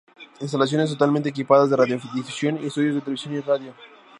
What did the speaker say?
Instalaciones totalmente equipadas de radiodifusión y estudios de televisión y radio.